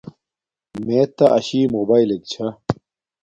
میےتا اشی موباݵلک چھا